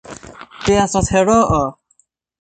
Vi estas heroo!